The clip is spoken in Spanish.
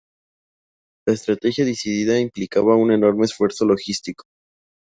La estrategia decidida implicaba un enorme esfuerzo logístico.